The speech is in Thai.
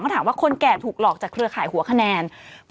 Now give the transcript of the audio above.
ถามว่าคนแก่ถูกหลอกจากเครือข่ายหัวคะแนน